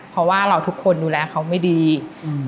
เพราะว่าเราทุกคนดูแลเขาไม่ดีอืม